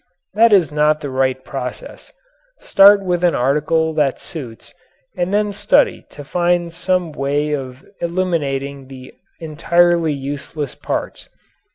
That is not the right process. Start with an article that suits and then study to find some way of eliminating the entirely useless parts.